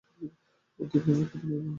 উদ্বিগ্ন মুখে বিনু বারান্দায় দাঁড়িয়ে।